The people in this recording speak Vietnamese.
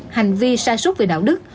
hành vi sa sút về đạo đức